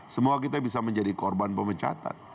semua kita bisa menjadi korban pemecatan